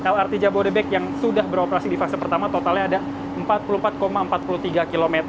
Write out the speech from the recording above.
lrt jabodebek yang sudah beroperasi di fase pertama totalnya ada empat puluh empat empat puluh tiga km